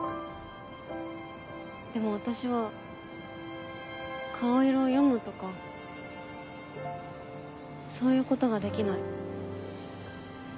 でも私は顔色を読むとかそういうことができない。